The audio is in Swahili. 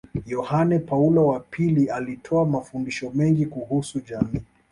Yohane Paulo wa pili alitoa mafundisho mengi kuhusu jamii